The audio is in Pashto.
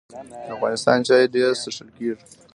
د افغانستان چای ډیر څښل کیږي